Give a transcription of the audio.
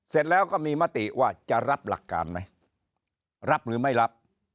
เสร็จแล้วก็มีมติว่าจะรับหลักการไหมรับหรือไม่รับ